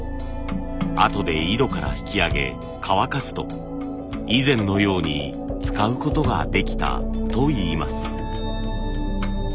あとで井戸から引き上げ乾かすと以前のように使うことができたといいます。